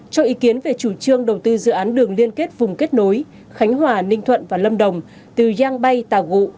cho ý kiến về chủ trương đầu tư dự án đường liên kết vùng kết nối khánh hòa ninh thuận và lâm đồng từ giang bay tà vụ